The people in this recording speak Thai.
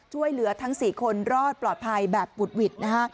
ช่วยเหลือทั้ง๔คนรอดปลอดภัยแบบบุดหวิดนะฮะ